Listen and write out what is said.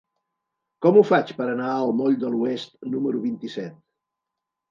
Com ho faig per anar al moll de l'Oest número vint-i-set?